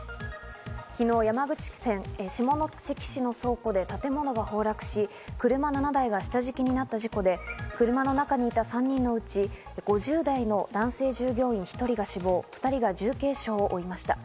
昨日、山口県下関市の倉庫で建物が崩落し、車７台が下敷きになった事故で、車の中にいた３人のうち、５０代の男性従業員１人が死亡、２人が重軽傷を負いました。